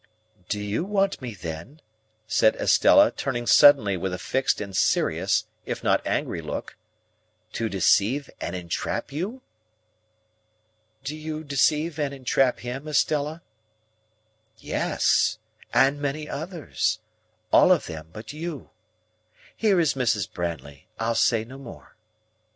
"Do you want me then," said Estella, turning suddenly with a fixed and serious, if not angry, look, "to deceive and entrap you?" "Do you deceive and entrap him, Estella?" "Yes, and many others,—all of them but you. Here is Mrs. Brandley. I'll say no more."